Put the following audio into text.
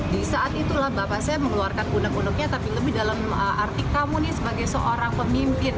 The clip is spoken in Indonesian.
di saat itulah bapak saya mengeluarkan unek uneknya tapi lebih dalam arti kamu nih sebagai seorang pemimpin